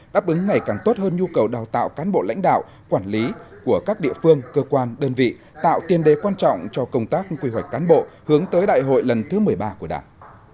đáp ứng ngày càng tốt hơn nhu cầu đào tạo cán bộ lãnh đạo quản lý của các địa phương cơ quan đơn vị tạo tiền đề quan trọng cho công tác quy hoạch cán bộ hướng tới đại hội lần thứ một mươi ba của đảng